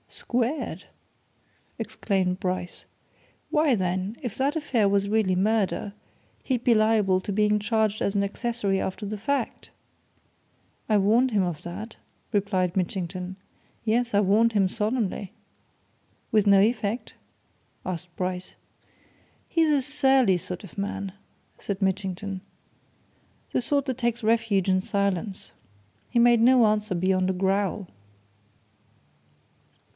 "Squared!" exclaimed Bryce. "Why, then, if that affair was really murder, he'd be liable to being charged as an accessory after the fact!" "I warned him of that," replied Mitchington. "Yes, I warned him solemnly." "With no effect?" asked Bryce. "He's a surly sort of man," said Mitchington. "The sort that takes refuge in silence. He made no answer beyond a growl."